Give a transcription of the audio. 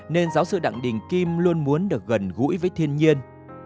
nên giáo sư đặng đình kim luôn muốn được gần gũi với thiên nhiên